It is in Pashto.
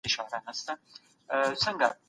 د حق لاره ستونزمنه خو نېکمرغه ده.